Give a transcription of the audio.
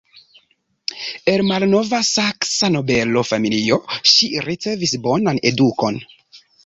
El malnova Saksa nobela familio, ŝi ricevis bonan edukon.